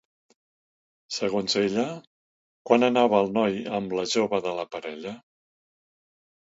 Segons ella, quan anava el noi amb la jove de la parella?